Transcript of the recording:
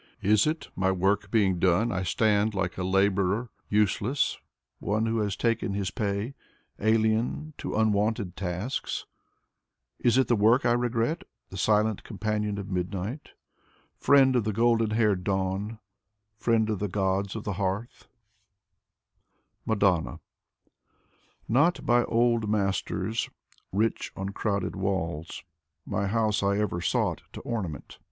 Is it, my work being done, I stand like a laborer, useless, One who has taken his pay, alien to unwonted tasks ? Is it the work I regret, the silent companion of midnight, Friend of the golden haired Dawn, friend of the gods of the hearth? 12 Alexander Pushkin MADONNA Not by old masters, rich on crowded walls, My house I ever sought to ornament.